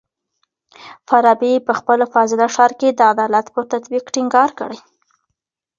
فارابي په خپل فاضله ښار کي د عدالت پر تطبيق ټينګار کړی.